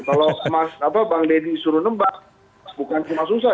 kalau bang deddy suruh nembak bukan cuma susah